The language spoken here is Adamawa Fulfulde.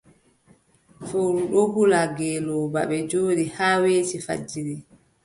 Fowru ɗon hula ngeelooba, ɓe njooɗi haa weeti fajiri.